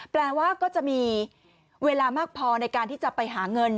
แปลว่าก็จะมีเวลามากพอในการที่จะไปหาเงิน